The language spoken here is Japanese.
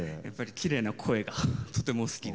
きれいな声が、とても好きで。